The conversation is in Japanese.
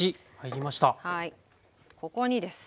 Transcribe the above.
ここにです。